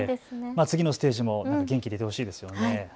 次のステージも元気でいてほしいですよね。